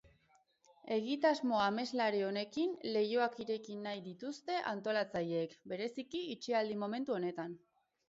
Egitasmo ameslari honekin leihoak ireki nahi dituzte antolatzaileek, bereziki itxialdi momentu honetan.